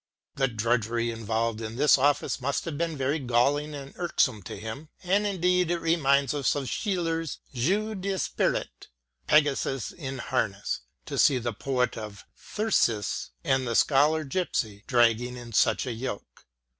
The drudgery involved in this office must have been very galling and irksome to him, and indeed it reminds us oE Schiller's y(?« d'esprit " Pegasus in Harness," to see the poet of " Thyrsis " and the " Scholar Gipsy " dragging in such a yoke.